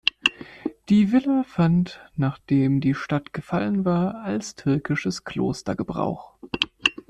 Die Villa fand, nachdem die Stadt gefallen war, als türkisches Kloster Gebrauch.